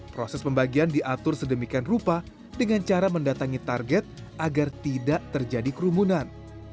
proses pembagian diatur sedemikian rupa dengan cara mendatangi target agar tidak terjadi kerumunan